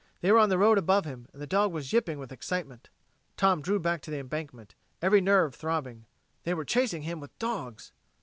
They were on the road above him, and the dog was yipping with excitement. Tom drew back to the embankment, every nerve throbbing. So they were chasing him with dogs!